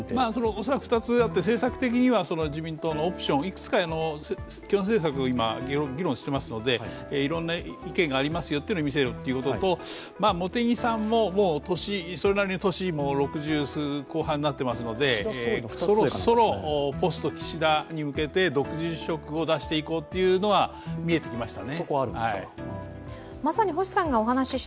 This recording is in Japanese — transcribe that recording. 恐らく２つあって、政策的には自民党のオプションいくつかの基本政策、今、議論していますので、いろいろな意見を見せることと、茂木さんもそれなりの年、６０後半になっていますのでそろそろポスト岸田に向けて独自色を出していこうというのは見えてきましたね。